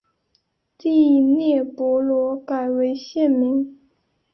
第聂伯罗改为现名。